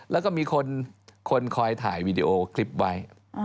แล้วก็มีคนคอยถ่ายวีดีโอคลิปไว้